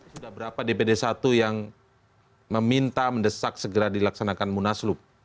sudah berapa dpd satu yang meminta mendesak segera dilaksanakan munaslup